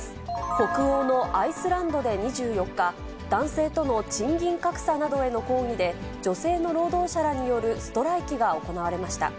北欧のアイスランドで２４日、男性との賃金格差などへの抗議で、女性の労働者らによるストライキが行われました。